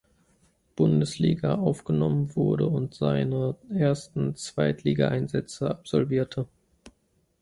Bundesliga, aufgenommen wurde und seine ersten Zweitligaeinsätze absolvierte.